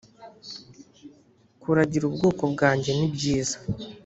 kuragira ubwoko bwanjye nibyiza